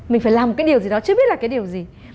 mình phải làm một cái điều gì đó chưa biết là cái điều gì